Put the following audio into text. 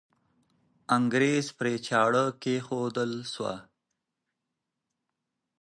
انګریز پرې چاړه کښېښودل سوه.